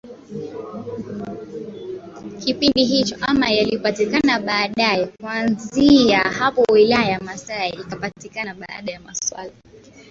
kipindi hicho ama yalipatikana baadae Kuanzia hapo wilaya ya Masai ikapatikana Baada ya maswala